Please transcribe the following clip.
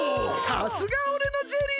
さすがおれのジェリー！